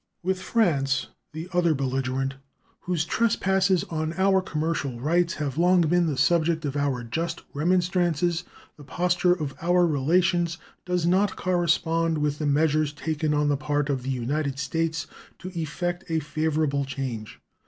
With France, the other belligerent, whose trespasses on our commercial rights have long been the subject of our just remonstrances, the posture of our relations does not correspond with the measures taken on the part of the United States to effect a favorable change.